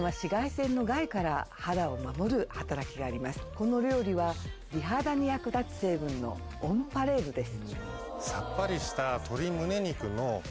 この料理は美肌に役立つ成分のオンパレードです。